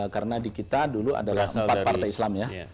karena di kita dulu adalah empat partai islam ya